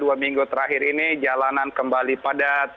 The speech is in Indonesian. akhir akhir ini jalanan kembali padat